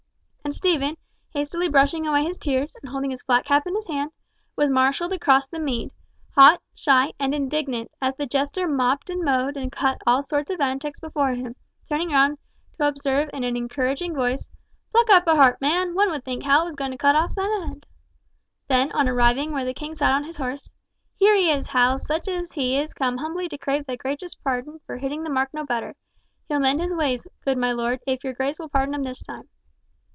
And Stephen, hastily brushing away his tears, and holding his flat cap in his hand, was marshalled across the mead, hot, shy, and indignant, as the jester mopped and mowed, and cut all sorts of antics before him, turning round to observe in an encouraging voice, "Pluck up a heart, man! One would think Hal was going to cut oft thine head!" And then, on arriving where the king sat on his horse, "Here he is, Hal, such as he is come humbly to crave thy gracious pardon for hitting the mark no better! He'll mend his ways, good my lord, if your grace will pardon him this time."